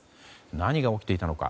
何が起きていたのか。